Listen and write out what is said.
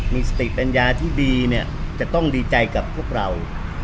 มีสติปัญญาที่ดีเนี่ยจะต้องดีใจกับพวกเรา